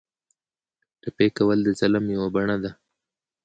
ټپي کول د ظلم یوه بڼه ده.